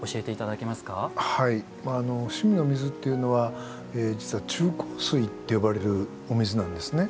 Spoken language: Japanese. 伏見の水っていうのは実は中硬水って呼ばれるお水なんですね。